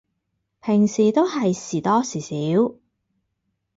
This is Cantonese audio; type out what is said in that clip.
平時都係時多時少